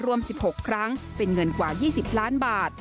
รวม๑๖ครั้งเป็นเงินกว่า๒๐ล้านบาท